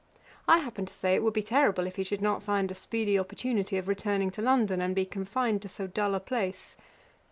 I happened to say it would be terrible if he should not find a speedy opportunity of returning to London, and be confined to so dull a place.